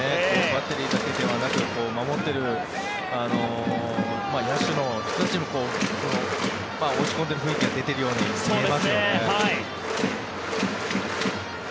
バッテリーだけではなく守っている野手の人たちも落ち込んでる雰囲気が出ているように見えますよね。